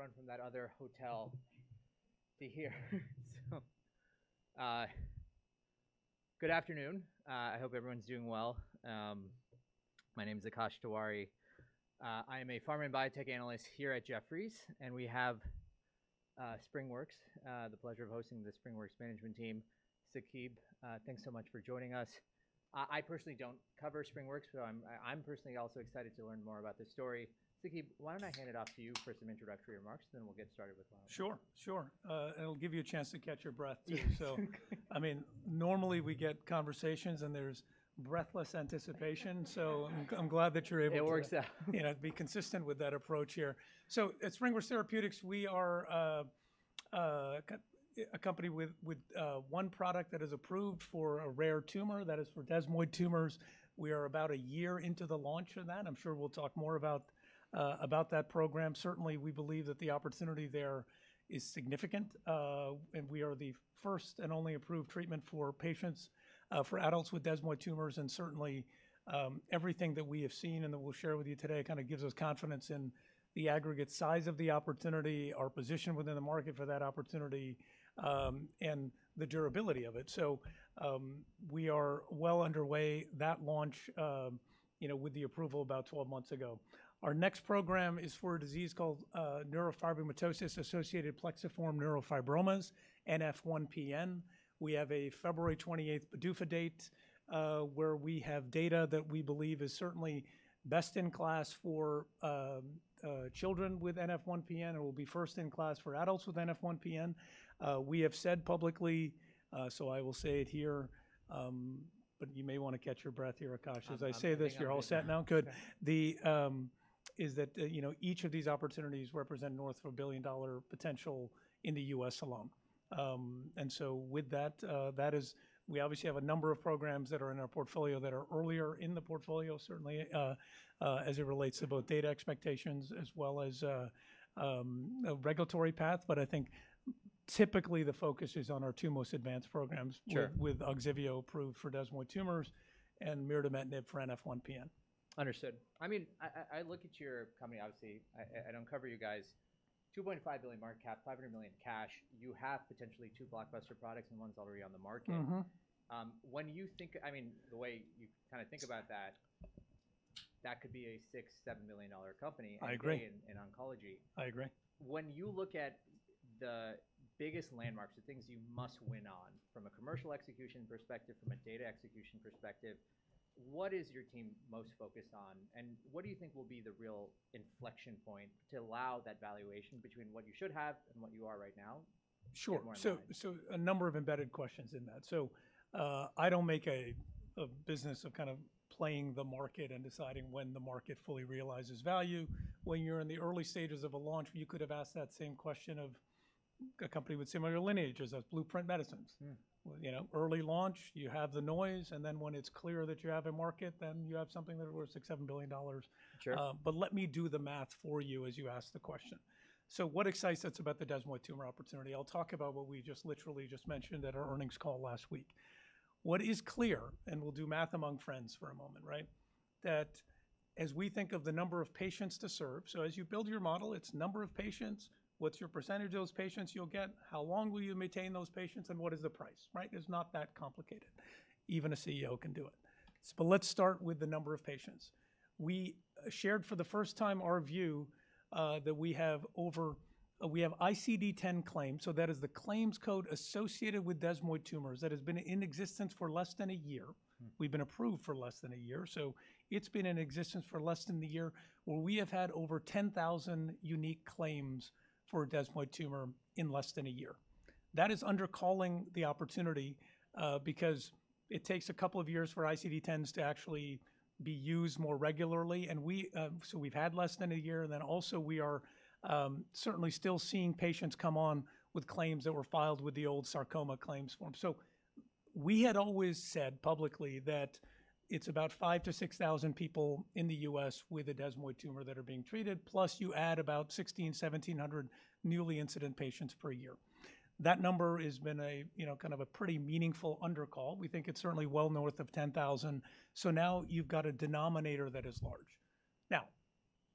Made me run from that other hotel to here, so good afternoon. I hope everyone's doing well. My name's Akash Tewari. I am a pharm and biotech analyst here at Jefferies, and we have the pleasure of hosting the SpringWorks management team. Saqib, thanks so much for joining us. I personally don't cover SpringWorks, so I'm personally also excited to learn more about this story. Saqib, why don't I hand it off to you for some introductory remarks, and then we'll get started with. Sure, sure. It'll give you a chance to catch your breath too. So, I mean, normally we get conversations, and there's breathless anticipation. So I'm glad that you're able to. It works out. You know, be consistent with that approach here. So at SpringWorks Therapeutics, we are a company with one product that is approved for a rare tumor, that is for desmoid tumors. We are about a year into the launch of that. I'm sure we'll talk more about that program. Certainly, we believe that the opportunity there is significant, and we are the first and only approved treatment for patients, for adults with desmoid tumors. And certainly, everything that we have seen and that we'll share with you today kind of gives us confidence in the aggregate size of the opportunity, our position within the market for that opportunity, and the durability of it. So, we are well underway that launch, you know, with the approval about 12 months ago. Our next program is for a disease called neurofibromatosis-associated plexiform neurofibromas, NF1-PN. We have a February 28th PDUFA date, where we have data that we believe is certainly best in class for children with NF1-PN, and will be first in class for adults with NF1-PN. We have said publicly, so I will say it here, but you may want to catch your breath here, Akash, as I say this. Sure. You're all set now. Good. That is, you know, each of these opportunities represent north of $1 billion potential in the U.S. alone. So with that, that is, we obviously have a number of programs that are in our portfolio that are earlier in the portfolio, certainly, as it relates to both data expectations as well as the regulatory path. But I think typically the focus is on our two most advanced programs. Sure. With Ogsivio approved for desmoid tumors and mirdametinib for NF1-PN. Understood. I mean, I look at your company, obviously, I cover you guys, $2.5 billion market cap, $500 million cash. You have potentially two blockbuster products and one's already on the market. Mm-hmm. When you think, I mean, the way you kind of think about that, that could be a $6-$7 billion company. I agree. And in oncology. I agree. When you look at the biggest landmarks, the things you must win on from a commercial execution perspective, from a data execution perspective, what is your team most focused on? And what do you think will be the real inflection point to allow that valuation between what you should have and what you are right now? Sure. More importantly. A number of embedded questions in that. I don't make a business of kind of playing the market and deciding when the market fully realizes value. When you're in the early stages of a launch, you could have asked that same question of a company with similar lineages as Blueprint Medicines. You know, early launch, you have the noise, and then when it's clear that you have a market, then you have something that's worth $6-7 billion. Sure. But let me do the math for you as you ask the question. So what excites us about the desmoid tumor opportunity? I'll talk about what we just literally mentioned at our earnings call last week. What is clear, and we'll do math among friends for a moment, right, that as we think of the number of patients to serve, so as you build your model, it's number of patients, what's your percentage of those patients you'll get, how long will you maintain those patients, and what is the price, right? It's not that complicated. Even a CEO can do it. But let's start with the number of patients. We shared for the first time our view that we have ICD-10 claims, so that is the claims code associated with desmoid tumors that has been in existence for less than a year. Mm-hmm. We've been approved for less than a year. So it's been in existence for less than a year where we have had over 10,000 unique claims for a desmoid tumor in less than a year. That is undercalling the opportunity, because it takes a couple of years for ICD-10s to actually be used more regularly. And we, so we've had less than a year. And then also we are certainly still seeing patients come on with claims that were filed with the old sarcoma claims form. So we had always said publicly that it's about five to six thousand people in the U.S. with a desmoid tumor that are being treated, plus you add about 1,600, 1,700 newly incident patients per year. That number has been a, you know, kind of a pretty meaningful undercall. We think it's certainly well north of 10,000. Now you've got a denominator that is large. Now,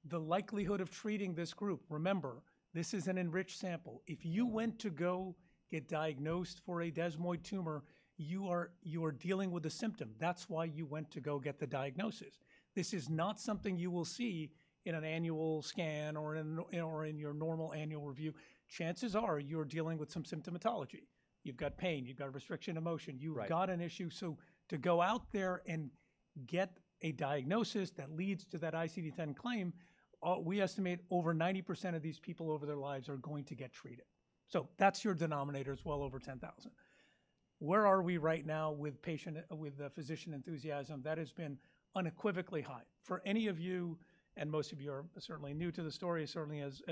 the likelihood of treating this group, remember, this is an enriched sample. If you went to go get diagnosed for a desmoid tumor, you are dealing with a symptom. That's why you went to go get the diagnosis. This is not something you will see in an annual scan or in your normal annual review. Chances are you're dealing with some symptomatology. You've got pain, you've got a restriction of motion. Right. You've got an issue. So to go out there and get a diagnosis that leads to that ICD-10 claim, we estimate over 90% of these people over their lives are going to get treated. So that's your denominator is well over 10,000. Where are we right now with patient, physician enthusiasm? That has been unequivocally high. For any of you, and most of you are certainly new to the story, certainly as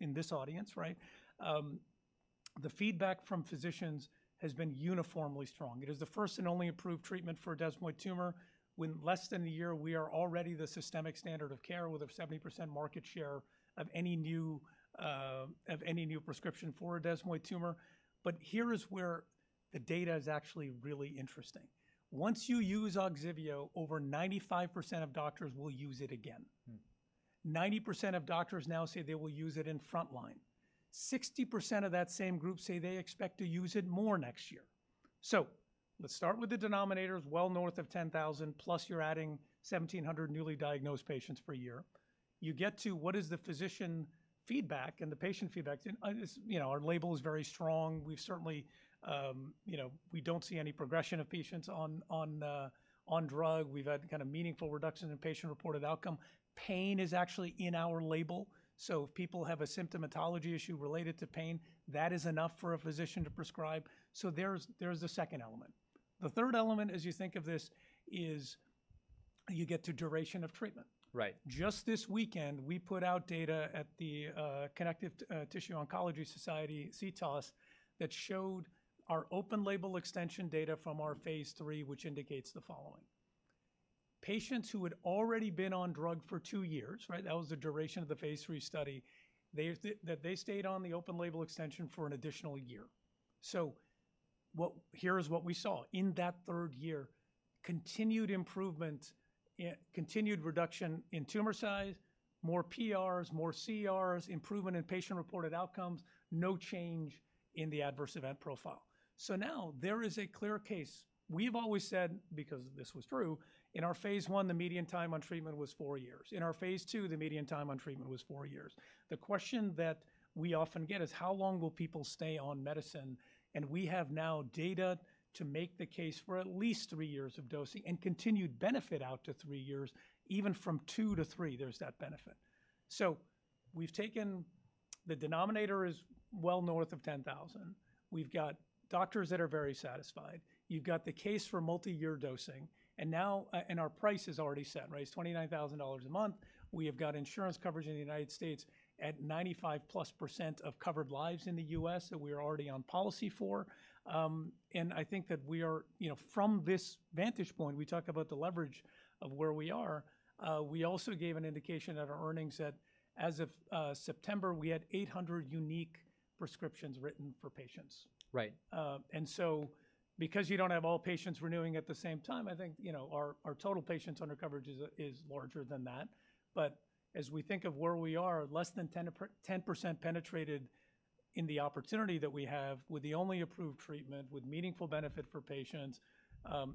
in this audience, right? The feedback from physicians has been uniformly strong. It is the first and only approved treatment for a desmoid tumor. Within less than a year, we are already the systemic standard of care with a 70% market share of any new prescription for a desmoid tumor. But here is where the data is actually really interesting. Once you use Ogsivio, over 95% of doctors will use it again. 90% of doctors now say they will use it in frontline. 60% of that same group say they expect to use it more next year, so let's start with the denominators well north of 10,000, plus you're adding 1,700 newly diagnosed patients per year. You get to what is the physician feedback and the patient feedback, and it's, you know, our label is very strong. We've certainly, you know, we don't see any progression of patients on drug. We've had kind of meaningful reduction in patient-reported outcome. Pain is actually in our label. So if people have a symptomatology issue related to pain, that is enough for a physician to prescribe, so there's the second element. The third element as you think of this is you get to duration of treatment. Right. Just this weekend, we put out data at the Connective Tissue Oncology Society, CTOS, that showed our open-label extension data from our phase three, which indicates the following: patients who had already been on drug for two years, right? That was the duration of the phase three study. They stayed on the open-label extension for an additional year. So what here is what we saw in that third year: continued improvement, continued reduction in tumor size, more PRs, more CRs, improvement in patient-reported outcomes, no change in the adverse event profile. So now there is a clear case. We've always said, because this was true, in our phase one, the median time on treatment was four years. In our phase two, the median time on treatment was four years. The question that we often get is, how long will people stay on medicine? And we have now data to make the case for at least three years of dosing and continued benefit out to three years, even from two to three, there's that benefit. So we've taken the denominator is well north of 10,000. We've got doctors that are very satisfied. You've got the case for multi-year dosing. And now, and our price is already set, right? It's $29,000 a month. We have got insurance coverage in the United States at 95% plus of covered lives in the U.S. that we are already on policy for. And I think that we are, you know, from this vantage point, we talk about the leverage of where we are. We also gave an indication at our earnings that as of September, we had 800 unique prescriptions written for patients. Right. And so because you don't have all patients renewing at the same time, I think, you know, our total patients under coverage is larger than that. But as we think of where we are, less than 10% penetrated in the opportunity that we have with the only approved treatment with meaningful benefit for patients,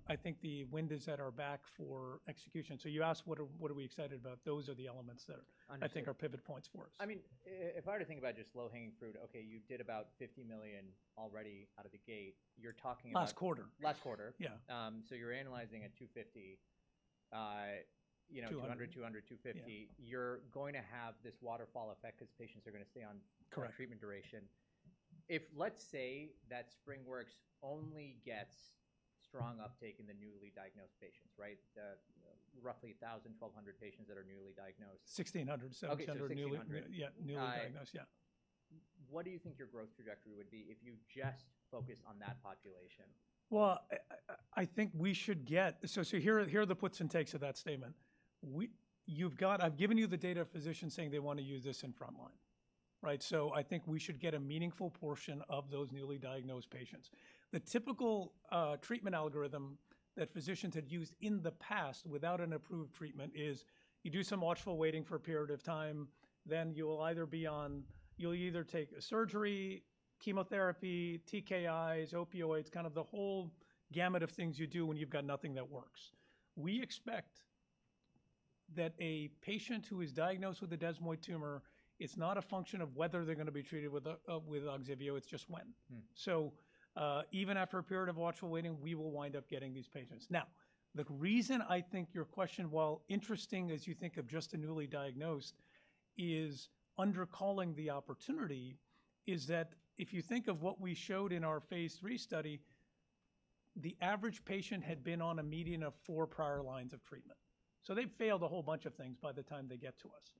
I think the wind is at our back for execution. So you asked what are we excited about? Those are the elements that are. Understood. I think our pivot points for us. I mean, if I were to think about just low-hanging fruit, okay, you did about $50 million already out of the gate. You're talking about. Last quarter. Last quarter. Yeah. So you're analyzing at 250, you know, 200, 200, 250. 200. You're going to have this waterfall effect 'cause patients are gonna stay on. Correct. The treatment duration. If, let's say, that SpringWorks only gets strong uptake in the newly diagnosed patients, right? Roughly 1,000-1,200 patients that are newly diagnosed. 1,600, 1,700 newly. Okay. So 1,600. Yeah, newly diagnosed. Right. Yeah. What do you think your growth trajectory would be if you just focused on that population? Well, I think we should get. So here are the puts and takes of that statement. We've got. I've given you the data of physicians saying they wanna use this in frontline, right? So I think we should get a meaningful portion of those newly diagnosed patients. The typical treatment algorithm that physicians had used in the past without an approved treatment is you do some watchful waiting for a period of time, then you'll either take surgery, chemotherapy, TKIs, opioids, kind of the whole gamut of things you do when you've got nothing that works. We expect that a patient who is diagnosed with a desmoid tumor, it's not a function of whether they're gonna be treated with Ogsivio, it's just when. So even after a period of watchful waiting, we will wind up getting these patients. Now, the reason I think your question, while interesting as you think of just a newly diagnosed, is undercalling the opportunity is that if you think of what we showed in our phase 3 study, the average patient had been on a median of four prior lines of treatment. So they've failed a whole bunch of things by the time they get to us.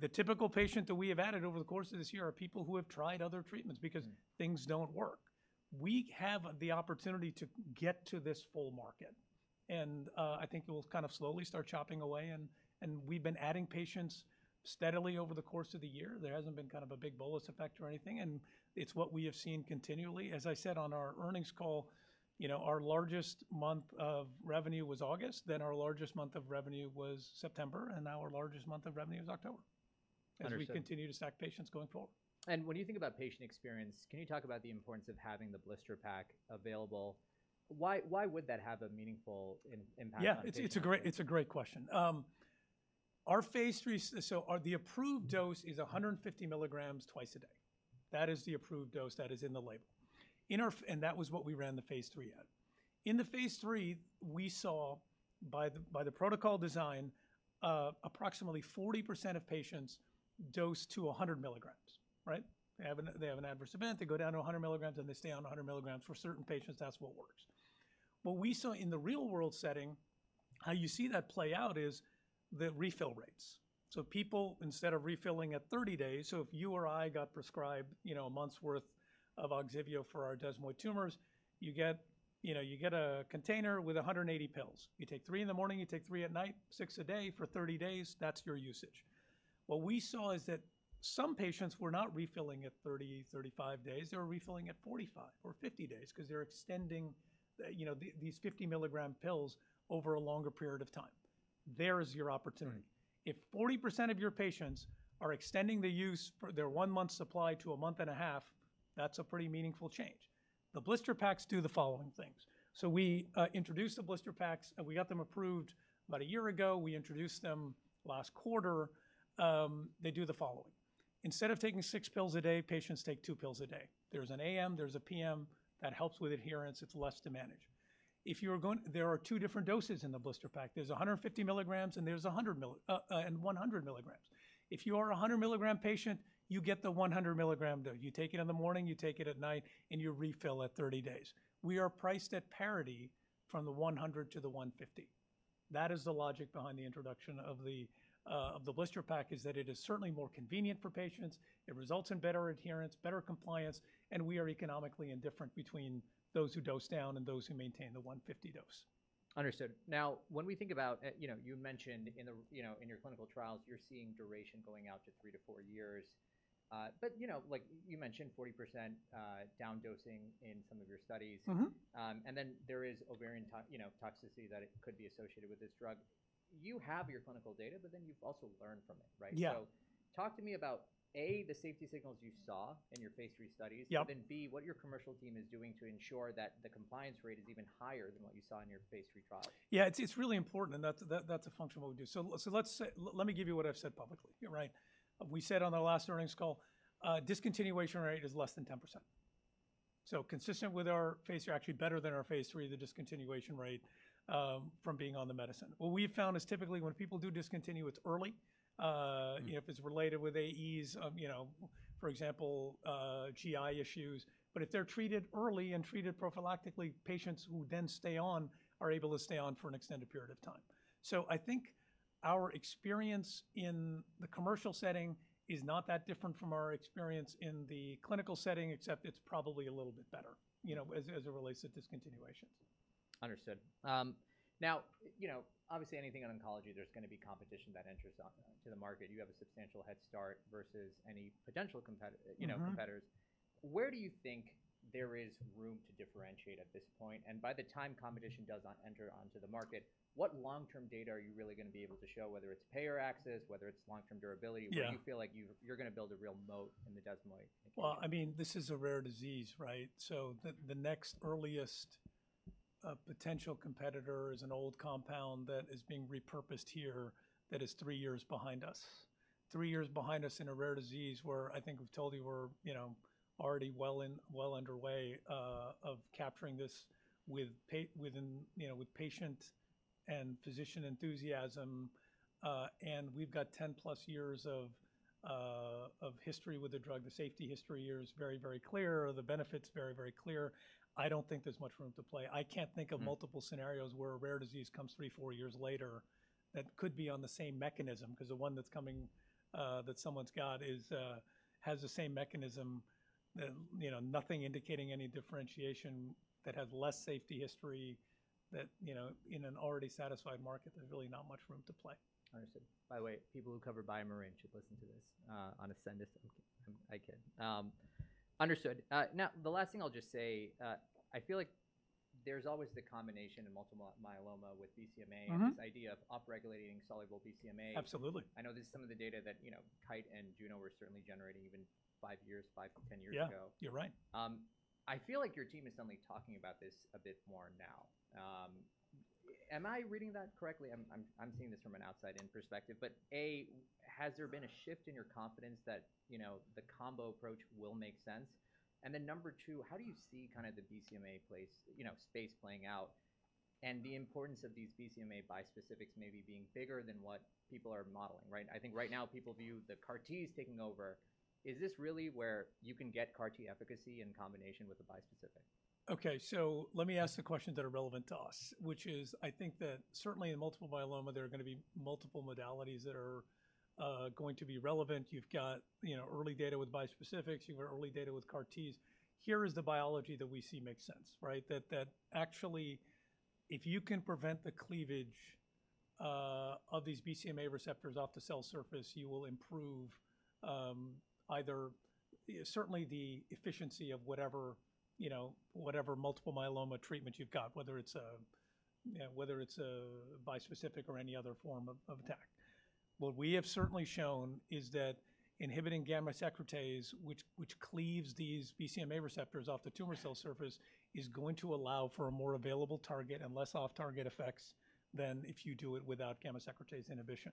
The typical patient that we have added over the course of this year are people who have tried other treatments because. Mm-hmm. Things don't work. We have the opportunity to get to this full market. And, I think it will kind of slowly start chopping away. And, we've been adding patients steadily over the course of the year. There hasn't been kind of a big bolus effect or anything. And it's what we have seen continually. As I said on our earnings call, you know, our largest month of revenue was August. Then our largest month of revenue was September. And now our largest month of revenue is October. Understood. As we continue to stack patients going forward. When you think about patient experience, can you talk about the importance of having the blister pack available? Why, why would that have a meaningful impact on patients? Yeah. It's a great question. Our phase three, so the approved dose is 150 milligrams twice a day. That is the approved dose that is in the label. In our, and that was what we ran the phase three at. In the phase three, we saw by the protocol design, approximately 40% of patients dosed to 100 milligrams, right? They have an adverse event, they go down to 100 milligrams, and they stay on 100 milligrams. For certain patients, that's what works. What we saw in the real-world setting, how you see that play out is the refill rates. So people, instead of refilling at 30 days, so if you or I got prescribed, you know, a month's worth of Ogsivio for our desmoid tumors, you get, you know, you get a container with 180 pills. You take three in the morning, you take three at night, six a day for 30 days, that's your usage. What we saw is that some patients were not refilling at 30, 35 days. They were refilling at 45 or 50 days 'cause they're extending, you know, these 50 milligram pills over a longer period of time. There is your opportunity. Mm-hmm. If 40% of your patients are extending the use for their one-month supply to a month and a half, that's a pretty meaningful change. The blister packs do the following things. So we introduced the blister packs, and we got them approved about a year ago. We introduced them last quarter. They do the following. Instead of taking six pills a day, patients take two pills a day. There's an AM, there's a PM that helps with adherence. It's less to manage. If you are going, there are two different doses in the blister pack. There's 150 milligrams, and 100 milligrams. If you are a 100 milligram patient, you get the 100 milligram dose. You take it in the morning, you take it at night, and you refill at 30 days. We are priced at parity from the 100 to the 150. That is the logic behind the introduction of the blister pack is that it is certainly more convenient for patients. It results in better adherence, better compliance, and we are economically indifferent between those who dose down and those who maintain the 150 dose. Understood. Now, when we think about, you know, you mentioned in the, you know, in your clinical trials, you're seeing duration going out to three to four years. But, you know, like you mentioned, 40%, down-dosing in some of your studies. Mm-hmm. And then there is ovarian, too, you know, toxicity that it could be associated with this drug. You have your clinical data, but then you've also learned from it, right? Yeah. So talk to me about, A, the safety signals you saw in your phase three studies? Yeah. And then B, what your commercial team is doing to ensure that the compliance rate is even higher than what you saw in your phase 3 trials? Yeah. It's really important, and that's a function of what we do. So let's say, let me give you what I've said publicly, right? We said on our last earnings call, discontinuation rate is less than 10%. So consistent with our phase three, actually better than our phase three, the discontinuation rate, from being on the medicine. What we've found is typically when people do discontinue, it's early. Mm-hmm. You know, if it's related with AEs, you know, for example, GI issues. But if they're treated early and treated prophylactically, patients who then stay on are able to stay on for an extended period of time. So I think our experience in the commercial setting is not that different from our experience in the clinical setting, except it's probably a little bit better, you know, as, as it relates to discontinuations. Understood. Now, you know, obviously anything in oncology, there's gonna be competition that enters on, to the market. You have a substantial head start versus any potential competitor, you know, competitors. Mm-hmm. Where do you think there is room to differentiate at this point? And by the time competition does not enter onto the market, what long-term data are you really gonna be able to show, whether it's payer access, whether it's long-term durability? Yeah. Where do you feel like you're gonna build a real moat in the desmoid? I mean, this is a rare disease, right? So the next earliest potential competitor is an old compound that is being repurposed here that is three years behind us. Three years behind us in a rare disease where I think we've told you we're, you know, already well underway of capturing this with patient and physician enthusiasm, and we've got 10 plus years of history with the drug. The safety history here is very, very clear. The benefit's very, very clear. I don't think there's much room to play. I can't think of multiple scenarios where a rare disease comes three, four years later that could be on the same mechanism 'cause the one that's coming, that someone's got is, has the same mechanism that, you know, nothing indicating any differentiation that has less safety history that, you know, in an already satisfied market, there's really not much room to play. Understood. By the way, people who cover Bhavesh or Range should listen to this, on assignment. Okay. I kid. Now the last thing I'll just say, I feel like there's always the combination in multiple myeloma with BCMA. Mm-hmm. This idea of upregulating soluble BCMA. Absolutely. I know there's some of the data that, you know, Kite and Juno were certainly generating even five years, five to ten years ago. Yeah. You're right. I feel like your team is suddenly talking about this a bit more now. Am I reading that correctly? I'm seeing this from an outside-in perspective. But A, has there been a shift in your confidence that, you know, the combo approach will make sense? And then number two, how do you see kind of the BCMA space playing out and the importance of these BCMA bispecifics maybe being bigger than what people are modeling, right? I think right now people view the CAR-Ts taking over. Is this really where you can get CAR-T efficacy in combination with a bispecific? Okay. So let me ask the questions that are relevant to us, which is I think that certainly in multiple myeloma, there are gonna be multiple modalities that are going to be relevant. You've got, you know, early data with bispecifics. You've got early data with CAR-Ts. Here is the biology that we see makes sense, right? That actually, if you can prevent the cleavage of these BCMA receptors off the cell surface, you will improve, either, you know, certainly the efficiency of whatever, you know, whatever multiple myeloma treatment you've got, whether it's a, you know, whether it's a bispecific or any other form of attack. What we have certainly shown is that inhibiting gamma secretase, which cleaves these BCMA receptors off the tumor cell surface, is going to allow for a more available target and less off-target effects than if you do it without gamma secretase inhibition.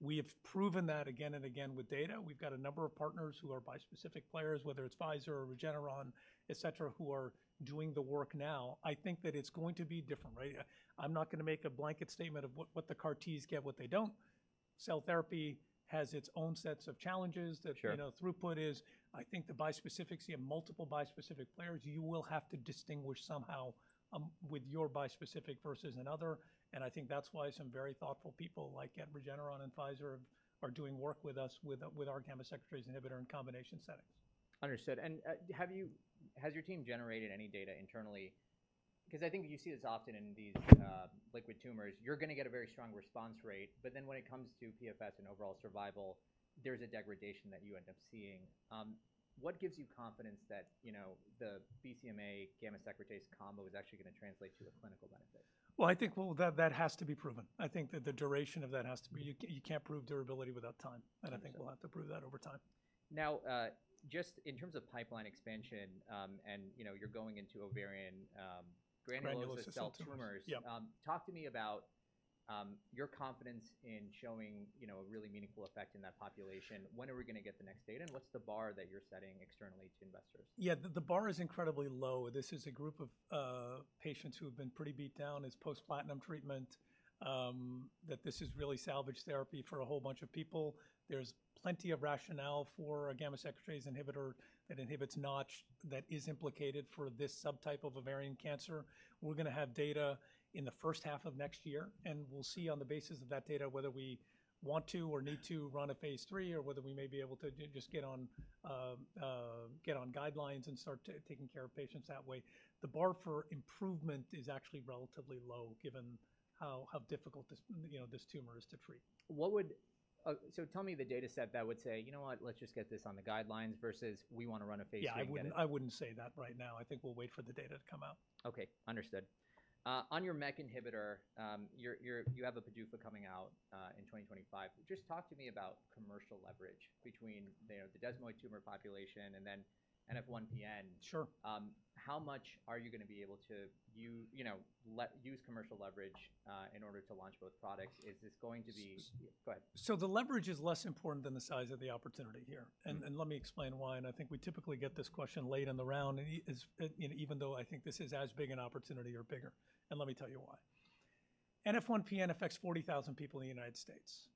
We have proven that again and again with data. We've got a number of partners who are bispecific players, whether it's Pfizer or Regeneron, etc., who are doing the work now. I think that it's going to be different, right? I'm not gonna make a blanket statement of what the CAR-Ts get, what they don't. Cell therapy has its own sets of challenges that. Sure. You know, I think the bispecifics and multiple bispecific players, you will have to distinguish somehow, with your bispecific versus another. And I think that's why some very thoughtful people like at Regeneron and Pfizer are doing work with us with our gamma secretase inhibitor in combination settings. Understood. And have you, has your team generated any data internally? 'Cause I think you see this often in these liquid tumors. You're gonna get a very strong response rate, but then when it comes to PFS and overall survival, there's a degradation that you end up seeing. What gives you confidence that, you know, the BCMA gamma secretase combo is actually gonna translate to a clinical benefit? I think that has to be proven. I think that the duration of that has to be. You can't prove durability without time. Sure. I think we'll have to prove that over time. Now, just in terms of pipeline expansion, and, you know, you're going into ovarian, granulosa cell tumors. Granulosa cells. Yeah. Talk to me about your confidence in showing, you know, a really meaningful effect in that population. When are we gonna get the next data? And what's the bar that you're setting externally to investors? Yeah. The bar is incredibly low. This is a group of patients who have been pretty beat down. It's post-platinum treatment, that this is really salvage therapy for a whole bunch of people. There's plenty of rationale for a gamma secretase inhibitor that inhibits NOTCH that is implicated for this subtype of ovarian cancer. We're gonna have data in the first half of next year, and we'll see on the basis of that data whether we want to or need to run a phase three or whether we may be able to just get on guidelines and start taking care of patients that way. The bar for improvement is actually relatively low given how difficult this, you know, this tumor is to treat. So tell me the data set that would say, you know what, let's just get this on the guidelines versus we wanna run a phase three again? Yeah. I wouldn't say that right now. I think we'll wait for the data to come out. Okay. Understood. On your MEK inhibitor, you have a PDUFA coming out in 2025. Just talk to me about commercial leverage between, you know, the desmoid tumor population and then NF1-PN. Sure. How much are you gonna be able to use, you know, commercial leverage, in order to launch both products? Is this going to be. Excuse me. Go ahead. So the leverage is less important than the size of the opportunity here. Mm-hmm. Let me explain why. I think we typically get this question late in the round, and it is, you know, even though I think this is as big an opportunity or bigger. Let me tell you why. NF1PN affects 40,000 people in the United States,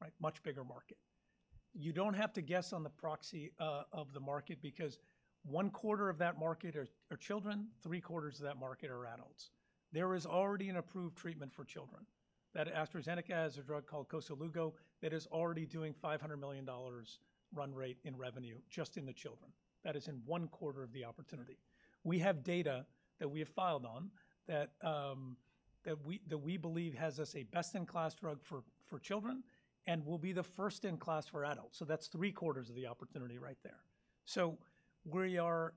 right? Much bigger market. You don't have to guess on the proxy of the market because one quarter of that market are children, three quarters of that market are adults. There is already an approved treatment for children that AstraZeneca has a drug called Koselugo, that is already doing $500 million run rate in revenue just in the children. That is in one quarter of the opportunity. We have data that we have filed on that, that we believe has us a best-in-class drug for children and will be the first-in-class for adults. So that's three quarters of the opportunity right there. So we are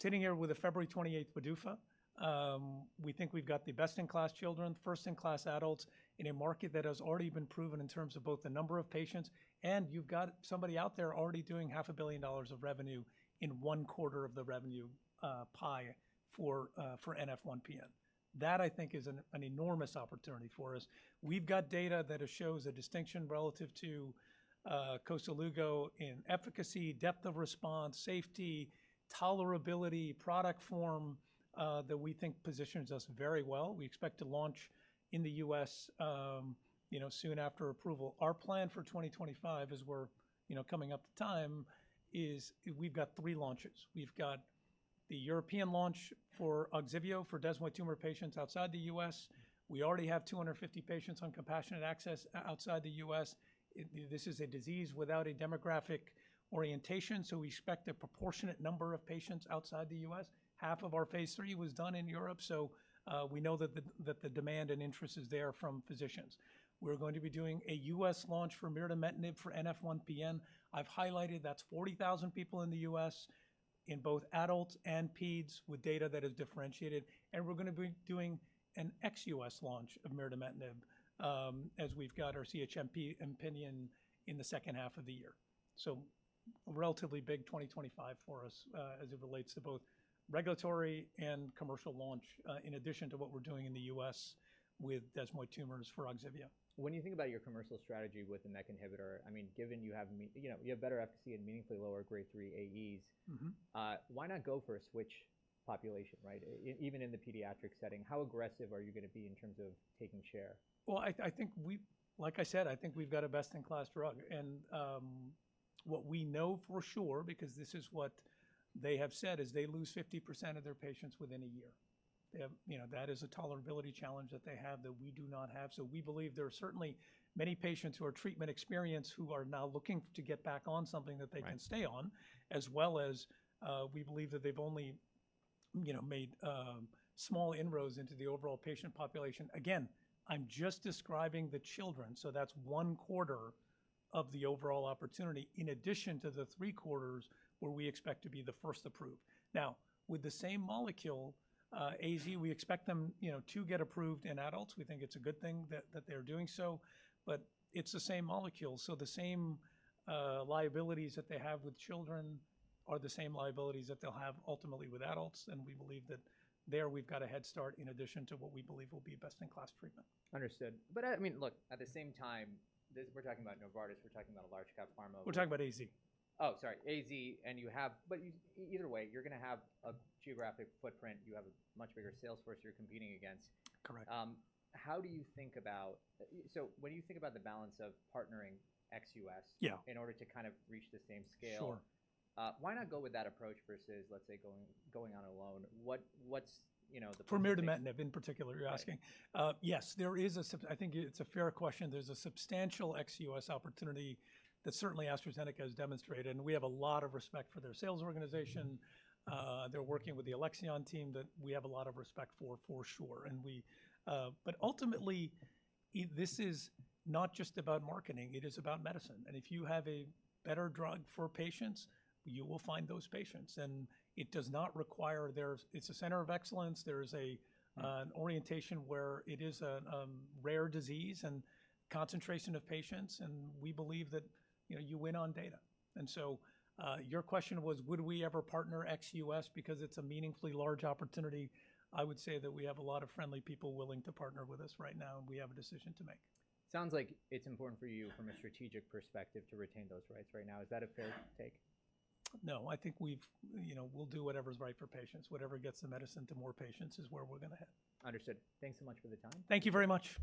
sitting here with a February 28th PDUFA. We think we've got the best-in-class children, first-in-class adults in a market that has already been proven in terms of both the number of patients and you've got somebody out there already doing $500 million of revenue in one quarter of the revenue pie for NF1-PN. That I think is an enormous opportunity for us. We've got data that shows a distinction relative to Koselugo in efficacy, depth of response, safety, tolerability, product form, that we think positions us very well. We expect to launch in the U.S., you know, soon after approval. Our plan for 2025, as we're, you know, coming up to time, is we've got three launches. We've got the European launch for Ogsivio for desmoid tumor patients outside the U.S. We already have 250 patients on compassionate access outside the U.S. This is a disease without a demographic orientation, so we expect a proportionate number of patients outside the U.S. Half of our phase three was done in Europe, so we know that the demand and interest is there from physicians. We're going to be doing a U.S. launch for mirdametinib for NF1PN. I've highlighted that's 40,000 people in the U.S. in both adults and peds with data that is differentiated. And we're gonna be doing an ex-U.S. launch of mirdametinib, as we've got our CHMP opinion in the second half of the year. So relatively big 2025 for us, as it relates to both regulatory and commercial launch, in addition to what we're doing in the U.S. with desmoid tumors for Ogsivio. When you think about your commercial strategy with the MEK inhibitor, I mean, given you have, you know, you have better efficacy and meaningfully lower grade three AEs. Mm-hmm. Why not go for a switch population, right? Even in the pediatric setting, how aggressive are you gonna be in terms of taking share? I think, like I said, we've got a best-in-class drug. What we know for sure, because this is what they have said, is they lose 50% of their patients within a year. They have, you know, that is a tolerability challenge that they have that we do not have. We believe there are certainly many patients who are treatment experienced who are now looking to get back on something that they can stay on. Mm-hmm. As well as, we believe that they've only, you know, made small inroads into the overall patient population. Again, I'm just describing the children, so that's one quarter of the overall opportunity in addition to the three quarters where we expect to be the first approved. Now, with the same molecule, AZ, we expect them, you know, to get approved in adults. We think it's a good thing that they're doing so, but it's the same molecule. So the same liabilities that they have with children are the same liabilities that they'll have ultimately with adults. And we believe that there we've got a head start in addition to what we believe will be best-in-class treatment. Understood. But I mean, look, at the same time, this, we're talking about Novartis. We're talking about a large-cap pharma. We're talking about AZ. Oh, sorry. AZ. And you have, but either way, you're gonna have a geographic footprint. You have a much bigger salesforce you're competing against. Correct. How do you think about, so when you think about the balance of partnering ex-U.S.? Yeah. In order to kind of reach the same scale. Sure. Why not go with that approach versus, let's say, going on a loan? What's, you know, the. For mirdametinib in particular, you're asking? Yes, there is a. I think it's a fair question. There's a substantial ex-US opportunity that certainly AstraZeneca has demonstrated. And we have a lot of respect for their sales organization. They're working with the Alexion team that we have a lot of respect for, for sure. And we, but ultimately, this is not just about marketing. It is about medicine. And if you have a better drug for patients, you will find those patients. And it does not require. There's, it's a center of excellence. There is a, an orientation where it is a, rare disease and concentration of patients. And we believe that, you know, you win on data. And so, your question was, would we ever partner ex-US? Because it's a meaningfully large opportunity, I would say that we have a lot of friendly people willing to partner with us right now, and we have a decision to make. Sounds like it's important for you from a strategic perspective to retain those rights right now. Is that a fair take? No. I think we've, you know, we'll do whatever's right for patients. Whatever gets the medicine to more patients is where we're gonna head. Understood. Thanks so much for the time. Thank you very much.